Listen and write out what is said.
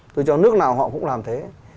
tôi cho nước nào họ cũng làm thế